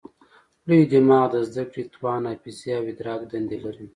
لوی دماغ د زده کړې، توان، حافظې او ادراک دندې لري.